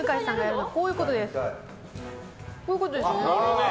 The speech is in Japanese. こういうことです。